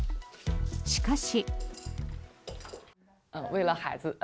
しかし。